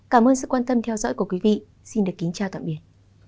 cảm ơn sự quan tâm theo dõi của quý vị xin được kính chào tạm biệt